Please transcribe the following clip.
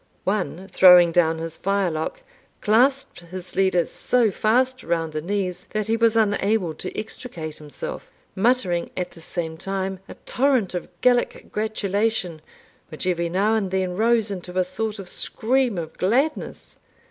One, throwing down his firelock, clasped his leader so fast round the knees, that he was unable to extricate himself, muttering, at the same time, a torrent of Gaelic gratulation, which every now and then rose into a sort of scream of gladness.